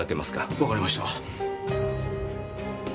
わかりました。